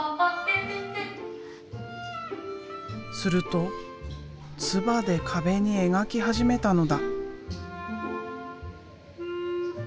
すると唾で壁に描き始めたのだ。